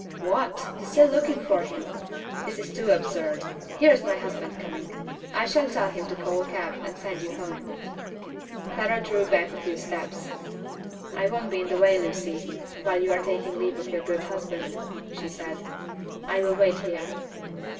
"What! still looking for him? This is really too absurd. Here is my husband coming. I shall tell him to call a cab, and send you home." Clara drew back a few steps. "I won't be in the way, Lucy, while you are taking leave of your good husband," she said. "I will wait here."